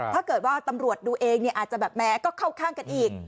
ถ้าเกิดว่าตำรวจดูเองเนี่ยอาจจะแบบแม้ก็เข้าข้างกันอีก